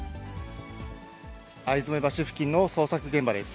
逢初橋付近の捜索現場です。